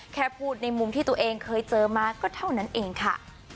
แค่พูดในมุมที่ตัวเองเคยเจอมาก็เท่านั้นเองค่ะ